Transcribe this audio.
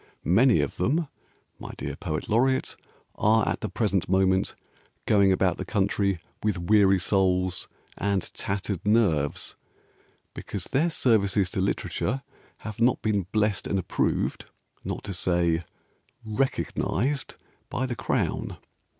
Many of them, my dear Poet Laureate, Are at the present moment Going about the country With weary souls and tattered nerves Because their Services to Literature Have not been blessed and approved, Not to say "recognised," By the Crown.